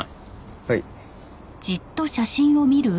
はい。